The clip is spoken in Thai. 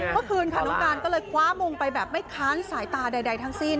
เมื่อคืนค่ะน้องการก็เลยคว้ามงไปแบบไม่ค้านสายตาใดทั้งสิ้น